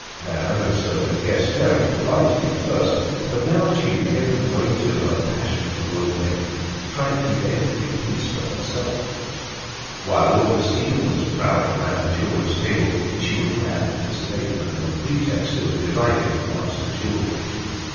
Nana had served her guests very politely at first, but now she had given way to her passion for grilled bacon, trying to keep every piece for herself. While Augustine was prowling around the children's table, she would grab the bits of bacon under the pretext of dividing them amongst the children.